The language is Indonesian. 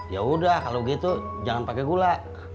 ya udah kalau gitu jangan pakai gula